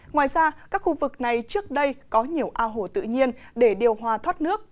ngoài ra các khu vực này trước đây có nhiều ao hồ tự nhiên để điều hòa thoát nước